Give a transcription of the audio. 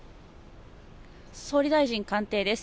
総理大臣官邸です。